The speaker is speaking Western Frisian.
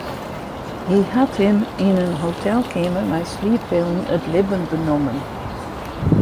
Hy hat him yn in hotelkeamer mei slieppillen it libben benommen.